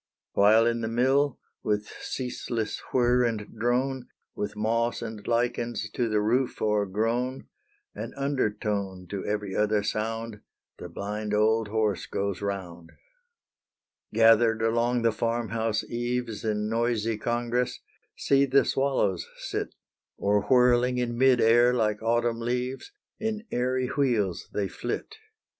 While in the mill, with ceaseless whirr and drone, With moss and lichens to the roof o'ergrown An undertone to every other sound, The blind old horse goes round Gathered along the farm house eaves In noisy congress, see the swallows sit, Or whirling in mid air like autumn leaves, In airy wheels they flit.